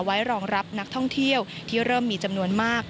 ไว้รองรับนักท่องเที่ยวที่เริ่มมีจำนวนมาก